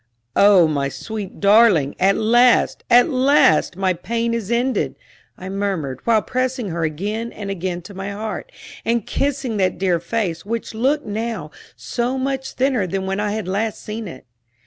"Oh, my sweet darling at last, at last, my pain is ended!" I murmured, while pressing her again and again to my heart, and kissing that dear face, which looked now so much thinner than when I had last seen it.